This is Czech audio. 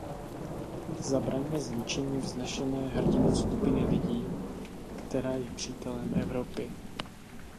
Zabraňme zničení vznešené, hrdinné skupiny lidí, která je přítelem Evropy.